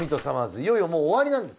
いよいよもう終わりなんです。